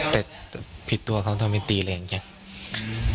แต่ผิดตัวเขาทำไมตีเลยอย่างเงี้ย